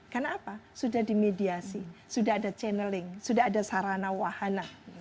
karena apa sudah dimediasi sudah ada channeling sudah ada sarana wahana